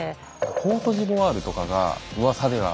コートジボワールとかがうわさでは今。